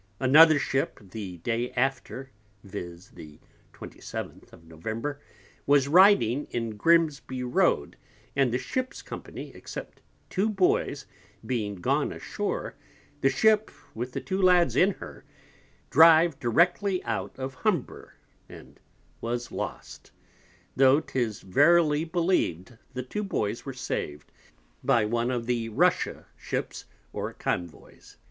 Another Ship, the Day after, viz. the 27th of November, was riding in Grimsby Road, and the Ships Company (except two Boys) being gone a shore, the Ship, with the two Lads in her, drive directly out of Humber, and was lost, tho' 'tis verily believ'd the two Boys were saved by one of the Russia Ships, or Convoys.